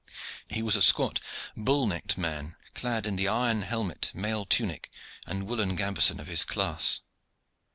He was a squat, bull necked man, clad in the iron helmet, mail tunic, and woollen gambesson of his class.